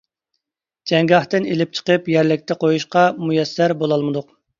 جەڭگاھتىن ئېلىپ چىقىپ يەرلىكتە قويۇشقا مۇيەسسەر بولالمىدۇق.